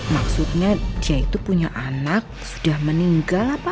maksudnya dia itu punya anak sudah meninggal apa